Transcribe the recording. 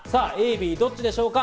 Ａ、Ｂ、どっちでしょうか？